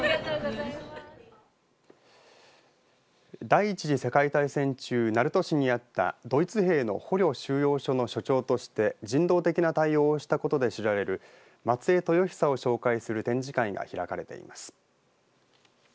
第１次世界大戦中、鳴門市にあったドイツ兵の捕虜収容所の所長として人道的な対応をしたことで知られる松江豊壽を紹介する展示会が開かれています。